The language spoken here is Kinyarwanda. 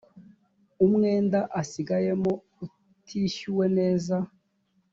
umwenda asigayemo utishyuwe neza